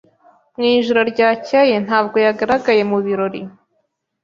Mu ijoro ryakeye, ntabwo yagaragaye mu birori.